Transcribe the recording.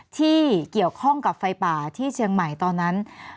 ที่เกี่ยวข้องกับไฟป่าที่เชียงใหม่ตอนนั้น